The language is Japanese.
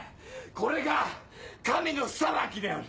これが神の裁きである。